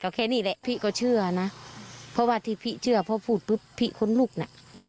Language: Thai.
ก็แค่นี้แหละพี่ก็เชื่อนะเพราะว่าที่พี่เชื่อเพราะพูดปุ๊บพี่คนลุกน่ะ